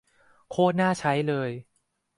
โคตรน่าใช้เลย